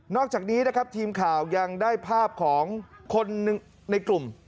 อกจากนี้นะครับทีมข่าวยังได้ภาพของคนในกลุ่ม